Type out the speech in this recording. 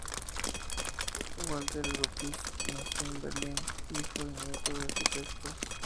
Walter Gropius nació en Berlín, hijo y nieto de arquitectos.